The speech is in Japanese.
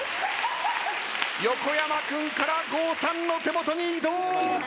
横山君から郷さんの手元に移動！